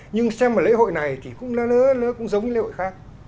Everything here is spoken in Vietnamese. nhưng xem vào lễ hội này thì nó cũng giống lễ hội khác